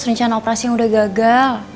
rencana operasi yang udah gagal